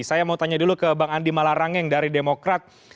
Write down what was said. saya mau tanya dulu ke bang andi malarangeng dari demokrat